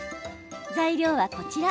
材料はこちら。